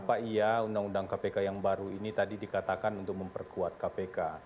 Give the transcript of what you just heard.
kenapa iya undang undang kpk yang baru ini tadi dikatakan untuk memperkuat kpk